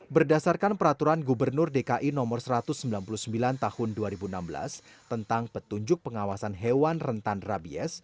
berdasarkan peraturan gubernur dki nomor satu ratus sembilan puluh sembilan tahun dua ribu enam belas tentang petunjuk pengawasan hewan rentan rabies